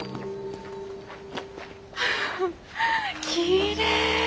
きれい。